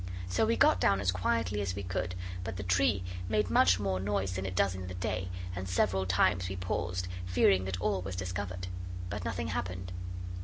So we got down as quietly as we could, but the tree made much more noise than it does in the day, and several times we paused, fearing that all was discovered. But nothing happened.